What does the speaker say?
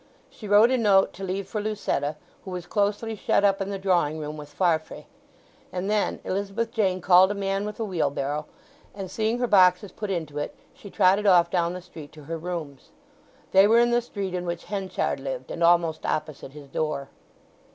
She wrote a note to leave for Lucetta, who was closely shut up in the drawing room with Farfrae; and then Elizabeth Jane called a man with a wheel barrow; and seeing her boxes put into it she trotted off down the street to her rooms. They were in the street in which Henchard lived, and almost opposite his door.